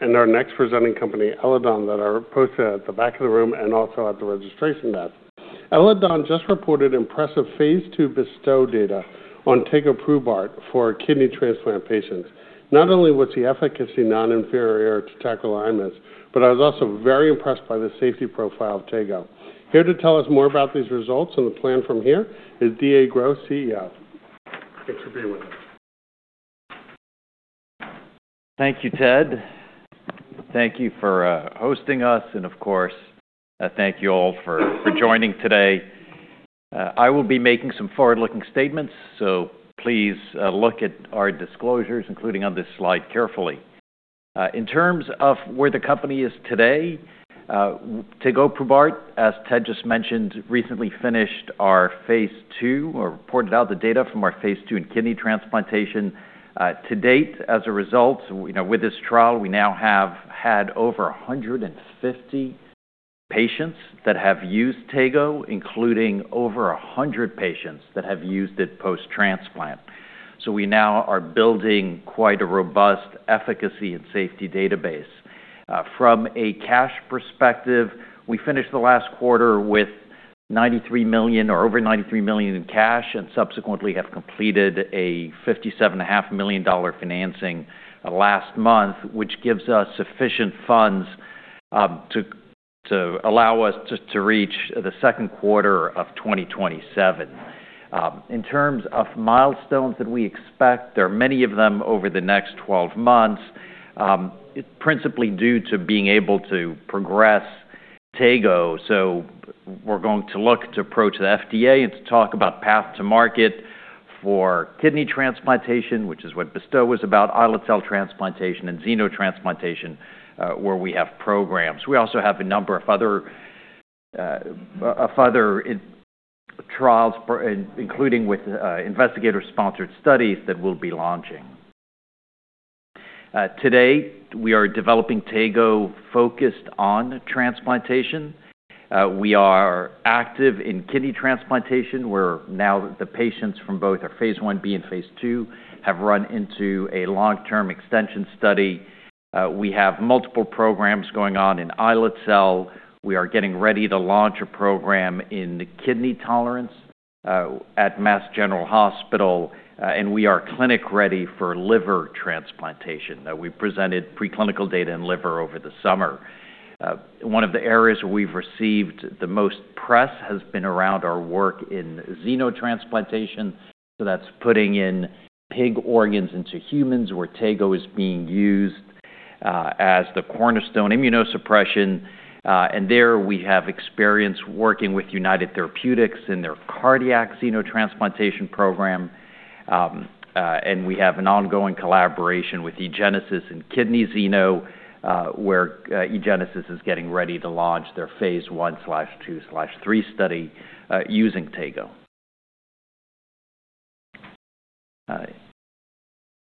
Our next presenting company, Eledon, that are posted at the back of the room and also at the registration desk. Eledon just reported impressive phase 2 BESTOW data on tegoprubart for kidney transplant patients. Not only was the efficacy not inferior to tacrolimus, but I was also very impressed by the safety profile of Tego. Here to tell us more about these results and the plan from here is D.A. Gros, CEO. Thanks for being with us. Thank you, Ted. Thank you for hosting us, and of course, thank you all for joining today. I will be making some forward-looking statements, so please look at our disclosures, including on this slide, carefully. In terms of where the company is today, tegoprubart, as Ted just mentioned, recently finished our phase 2 or reported out the data from our phase 2 in kidney transplantation. To date, as a result, with this trial, we now have had over 150 patients that have used Tego, including over 100 patients that have used it post-transplant. So we now are building quite a robust efficacy and safety database. From a cash perspective, we finished the last quarter with $93 million or over $93 million in cash and subsequently have completed a $57.5 million financing last month, which gives us sufficient funds to allow us to reach the second quarter of 2027. In terms of milestones that we expect, there are many of them over the next 12 months, principally due to being able to progress Tego. So we're going to look to approach the FDA and to talk about path to market for kidney transplantation, which is what BESTOW was about, islet cell transplantation, and xenotransplantation, where we have programs. We also have a number of other trials, including with investigator-sponsored studies that we'll be launching. Today, we are developing Tego focused on transplantation. We are active in kidney transplantation, where now the patients from both our phase 1b and phase 2 have run into a long-term extension study. We have multiple programs going on in islet cell. We are getting ready to launch a program in kidney tolerance at Mass General Hospital, and we are clinic-ready for liver transplantation. We presented preclinical data in liver over the summer. One of the areas where we've received the most press has been around our work in xenotransplantation, so that's putting in pig organs into humans, where Tego is being used as the cornerstone immunosuppression. There we have experience working with United Therapeutics in their cardiac xenotransplantation program, and we have an ongoing collaboration with eGenesis and Kidney Xeno, where eGenesis is getting ready to launch their Phase 1/2/3 study using Tego.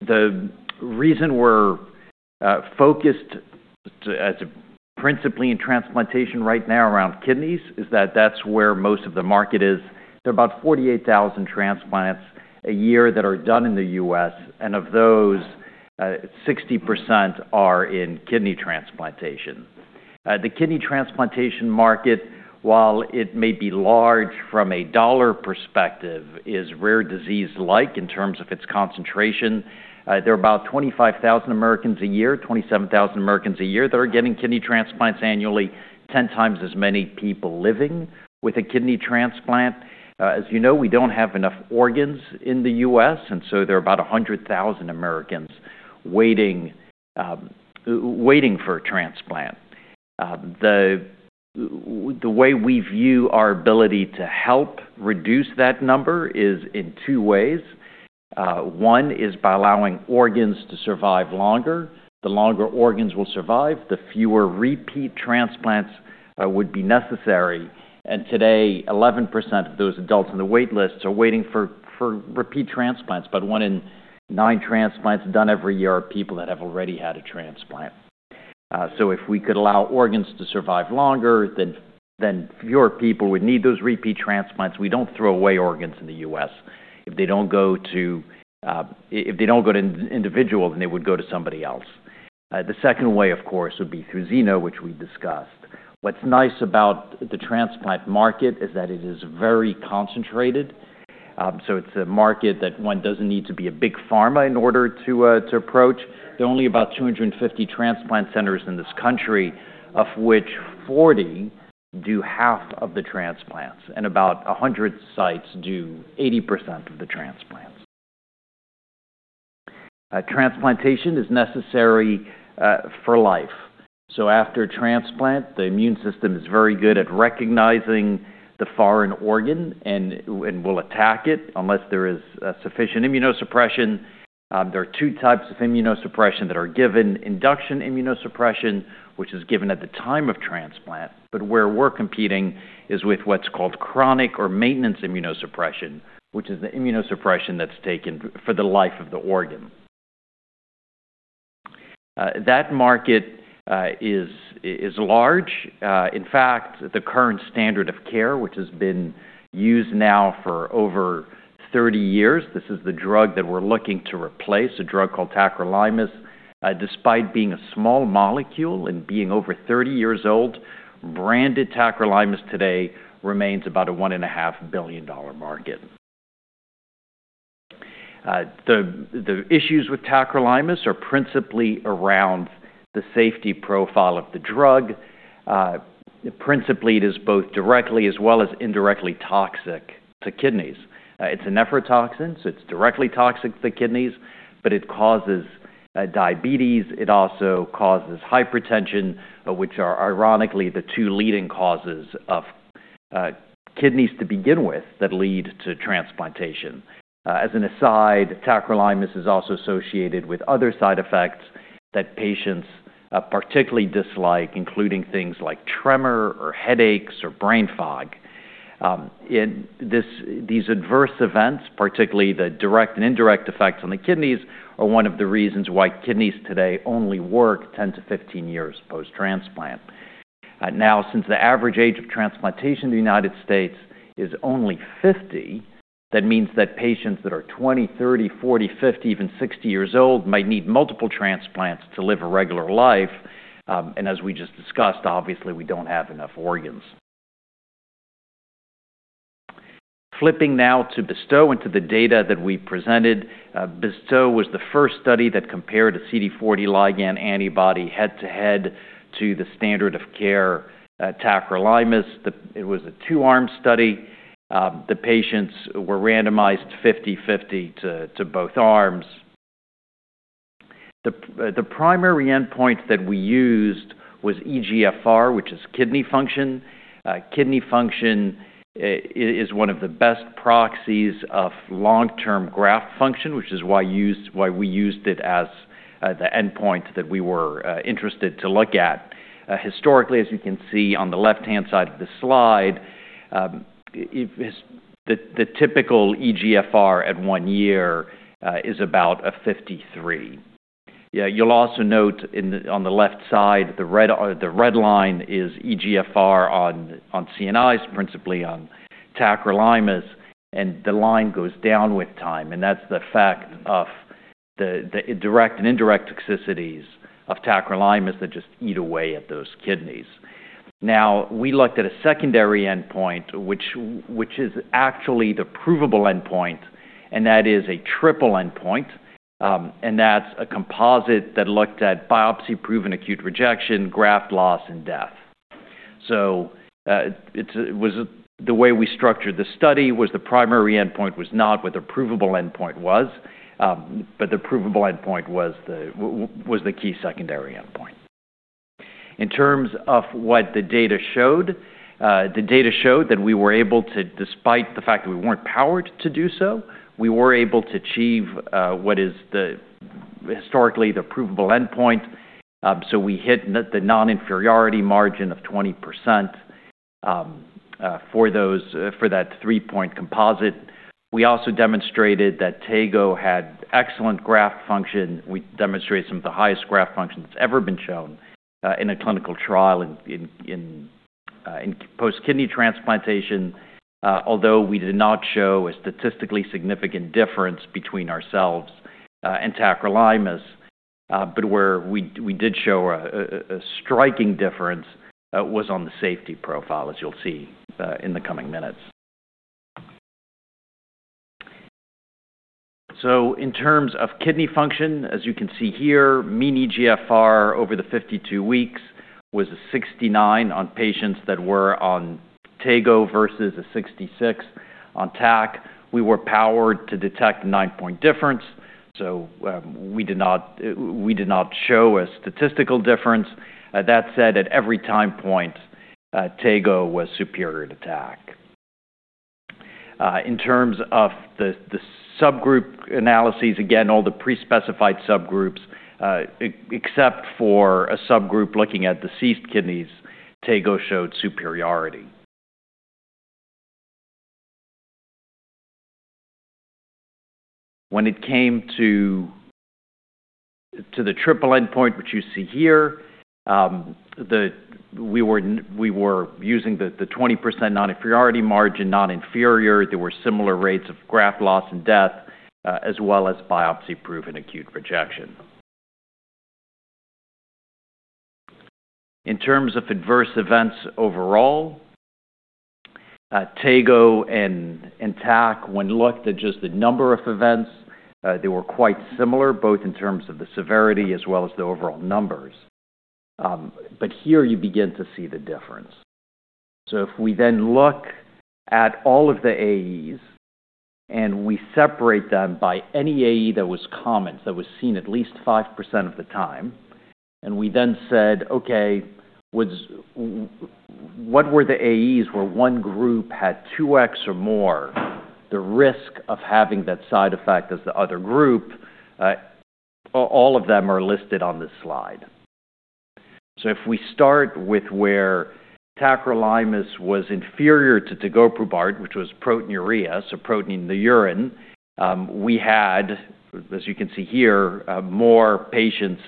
The reason we're focused principally in transplantation right now around kidneys is that that's where most of the market is. There are about 48,000 transplants a year that are done in the U.S., and of those, 60% are in kidney transplantation. The kidney transplantation market, while it may be large from a dollar perspective, is rare disease-like in terms of its concentration. There are about 25,000 Americans a year, 27,000 Americans a year that are getting kidney transplants annually, 10 times as many people living with a kidney transplant. As you know, we don't have enough organs in the U.S., and so there are about 100,000 Americans waiting for a transplant. The way we view our ability to help reduce that number is in two ways. One is by allowing organs to survive longer. The longer organs will survive, the fewer repeat transplants would be necessary, and today, 11% of those adults in the waitlist are waiting for repeat transplants, but one in nine transplants done every year are people that have already had a transplant, so if we could allow organs to survive longer, then fewer people would need those repeat transplants. We don't throw away organs in the U.S. If they don't go to an individual, then they would go to somebody else. The second way, of course, would be through xeno, which we discussed. What's nice about the transplant market is that it is very concentrated, so it's a market that one doesn't need to be a big pharma in order to approach. There are only about 250 transplant centers in this country, of which 40 do half of the transplants and about 100 sites do 80% of the transplants. Transplantation is necessary for life. So after a transplant, the immune system is very good at recognizing the foreign organ and will attack it unless there is sufficient immunosuppression. There are two types of immunosuppression that are given: induction immunosuppression, which is given at the time of transplant, but where we're competing is with what's called chronic or maintenance immunosuppression, which is the immunosuppression that's taken for the life of the organ. That market is large. In fact, the current standard of care, which has been used now for over 30 years. This is the drug that we're looking to replace, a drug called tacrolimus. Despite being a small molecule and being over 30 years old, branded tacrolimus today remains about a $1.5 billion market. The issues with tacrolimus are principally around the safety profile of the drug. Principally, it is both directly as well as indirectly toxic to kidneys. It's a nephrotoxin, so it's directly toxic to the kidneys, but it causes diabetes. It also causes hypertension, which are ironically the two leading causes of kidneys to begin with that lead to transplantation. As an aside, tacrolimus is also associated with other side effects that patients particularly dislike, including things like tremor or headaches or brain fog. These adverse events, particularly the direct and indirect effects on the kidneys, are one of the reasons why kidneys today only work 10 to 15 years post-transplant. Now, since the average age of transplantation in the United States is only 50, that means that patients that are 20, 30, 40, 50, even 60 years old might need multiple transplants to live a regular life. And as we just discussed, obviously, we don't have enough organs. Flipping now to BESTOW and to the data that we presented, BESTOW was the first study that compared a CD40 ligand antibody head-to-head to the standard of care tacrolimus. It was a two-arm study. The patients were randomized 50/50 to both arms. The primary endpoint that we used was eGFR, which is kidney function. Kidney function is one of the best proxies of long-term graft function, which is why we used it as the endpoint that we were interested to look at. Historically, as you can see on the left-hand side of the slide, the typical eGFR at one year is about a 53. You'll also note on the left side, the red line is eGFR on CNIs, principally on tacrolimus, and the line goes down with time. And that's the fact of the direct and indirect toxicities of tacrolimus that just eat away at those kidneys. Now, we looked at a secondary endpoint, which is actually the provable endpoint, and that is a triple endpoint. That's a composite that looked at biopsy-proven acute rejection, graft loss, and death. The way we structured the study was the primary endpoint was not what the composite endpoint was, but the composite endpoint was the key secondary endpoint. In terms of what the data showed, the data showed that we were able to, despite the fact that we weren't powered to do so, we were able to achieve what is historically the composite endpoint. We hit the non-inferiority margin of 20% for that three-point composite. We also demonstrated that Tego had excellent graft function. We demonstrated some of the highest graft function that's ever been shown in a clinical trial in post-kidney transplantation, although we did not show a statistically significant difference between ourselves and tacrolimus. Where we did show a striking difference was on the safety profile, as you'll see in the coming minutes. So in terms of kidney function, as you can see here, mean eGFR over the 52 weeks was a 69 on patients that were on Tego versus a 66 on tac. We were powered to detect an endpoint difference, so we did not show a statistical difference. That said, at every time point, Tego was superior to tac. In terms of the subgroup analyses, again, all the pre-specified subgroups, except for a subgroup looking at deceased kidneys, Tego showed superiority. When it came to the triple endpoint, which you see here, we were using the 20% non-inferiority margin, not inferior. There were similar rates of graft loss and death, as well as biopsy-proven acute rejection. In terms of adverse events overall, Tego and tac, when looked at just the number of events, they were quite similar, both in terms of the severity as well as the overall numbers. But here you begin to see the difference. So if we then look at all of the AEs and we separate them by any AE that was common, that was seen at least 5% of the time, and we then said, "Okay, what were the AEs where one group had 2x or more? The risk of having that side effect as the other group?" All of them are listed on this slide. So if we start with where tacrolimus was inferior to tegoprubart, which was proteinuria, so protein in the urine, we had, as you can see here, more patients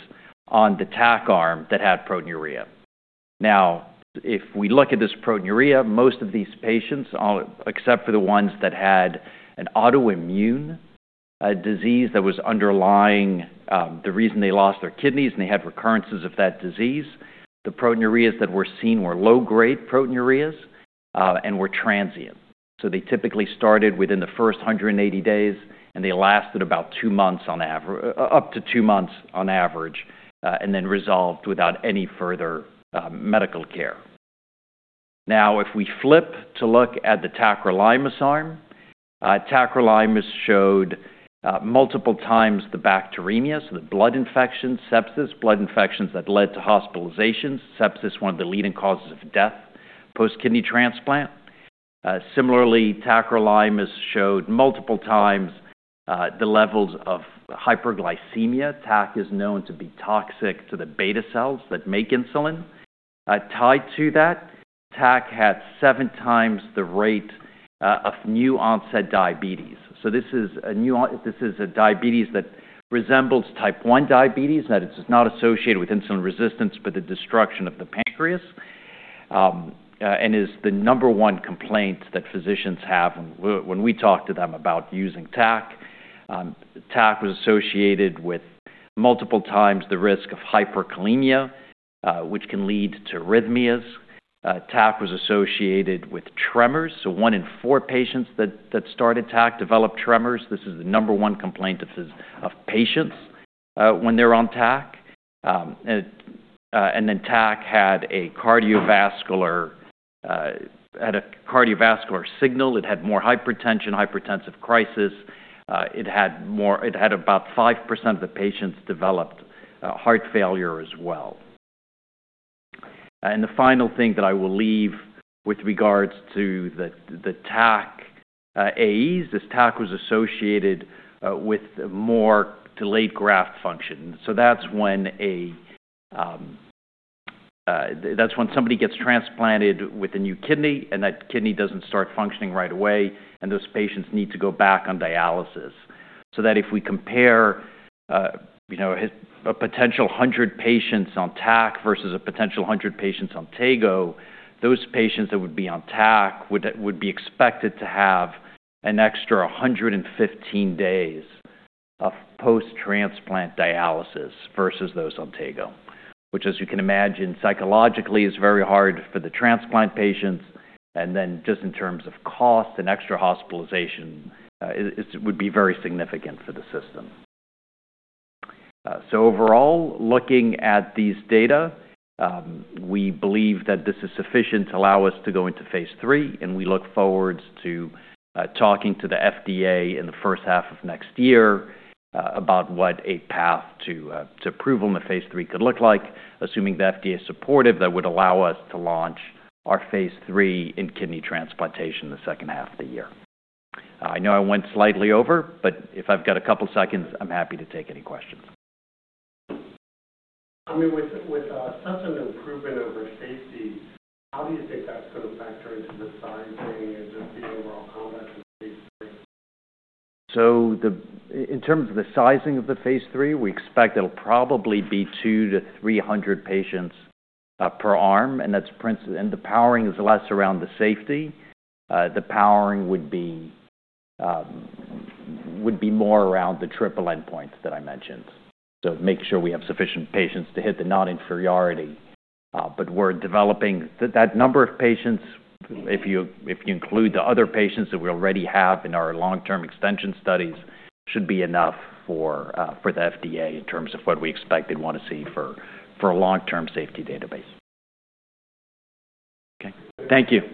on the tac arm that had proteinuria. Now, if we look at this proteinuria, most of these patients, except for the ones that had an autoimmune disease that was underlying the reason they lost their kidneys and they had recurrences of that disease, the proteinuria that were seen were low-grade proteinuria and were transient. So they typically started within the first 180 days, and they lasted about up to two months on average, and then resolved without any further medical care. Now, if we flip to look at the tacrolimus arm, tacrolimus showed multiple times the bacteremia, so the blood infections, sepsis, blood infections that led to hospitalizations. Sepsis is one of the leading causes of death post-kidney transplant. Similarly, tacrolimus showed multiple times the levels of hyperglycemia. Tac is known to be toxic to the beta cells that make insulin. Tied to that, tac had seven times the rate of new-onset diabetes. So this is a diabetes that resembles type 1 diabetes, that it is not associated with insulin resistance, but the destruction of the pancreas, and is the number one complaint that physicians have when we talk to them about using tac. Tac was associated with multiple times the risk of hyperkalemia, which can lead to arrhythmias. Tac was associated with tremors. So one in four patients that started tac developed tremors. This is the number one complaint of patients when they're on tac. And then tac had a cardiovascular signal. It had more hypertension, hypertensive crisis. It had about 5% of the patients developed heart failure as well. And the final thing that I will leave with regards to the tac AEs is tac was associated with more delayed graft function. So that's when somebody gets transplanted with a new kidney, and that kidney doesn't start functioning right away, and those patients need to go back on dialysis. So that if we compare a potential 100 patients on tac versus a potential 100 patients on Tego, those patients that would be on tac would be expected to have an extra 115 days of post-transplant dialysis versus those on Tego, which, as you can imagine, psychologically is very hard for the transplant patients. And then just in terms of cost and extra hospitalization, it would be very significant for the system. So overall, looking at these data, we believe that this is sufficient to allow us to go into phase 3, and we look forward to talking to the FDA in the first half of next year about what a path to approval in the phase 3 could look like. Assuming the FDA is supportive, that would allow us to launch our phase 3 in kidney transplantation in the second half of the year. I know I went slightly over, but if I've got a couple of seconds, I'm happy to take any questions. I mean, with such an improvement over phase 3, how do you think that's going to factor into the sizing and just the overall conduct of phase 3? So in terms of the sizing of the phase 3, we expect it'll probably be 200-300 patients per arm, and the powering is less around the safety. The powering would be more around the triple endpoints that I mentioned, so make sure we have sufficient patients to hit the non-inferiority. But we're developing that number of patients, if you include the other patients that we already have in our long-term extension studies, should be enough for the FDA in terms of what we expect and want to see for a long-term safety database. Okay. Thank you.